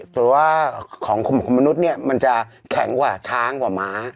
แต่ว่าของคนมนุษย์เนี้ยมันจะแข็งกว่าช้างกว่าหมา